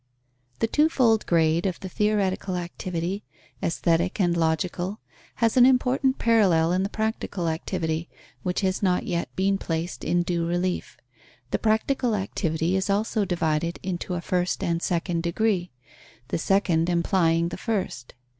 _ The twofold grade of the theoretical activity, aesthetic and logical, has an important parallel in the practical activity, which has not yet been placed in due relief. The practical activity is also divided into a first and second degree, the second implying the first.